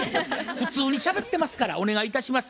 普通にしゃべってますからお願いいたします。